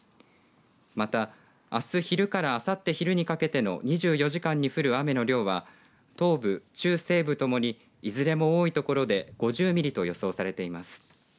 また、あす昼からあさって昼にかけての２４時間に降る雨の量は東部、中西部ともにいずれも多い所で５０ミリと予想されています。